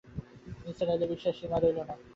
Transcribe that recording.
নিসার আলিরও বিস্ময়ের সীমা রইল না।